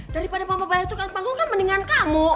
daripada mama bayar tukang panggung kan mendingan kamu